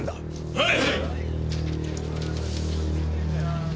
はい！